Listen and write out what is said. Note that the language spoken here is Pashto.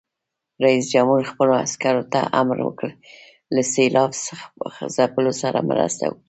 رئیس جمهور خپلو عسکرو ته امر وکړ؛ له سېلاب ځپلو سره مرسته وکړئ!